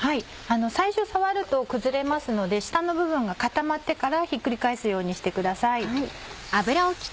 最初触ると崩れますので下の部分が固まってからひっくり返すようにしてください。